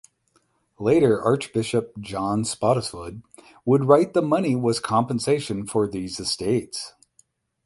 Later Archbishop John Spottiswoode would write the money was compensation for these estates.